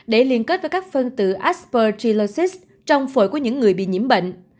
để liên kết với các phân tự aspergillus trong phổi của những người bị nhiễm bệnh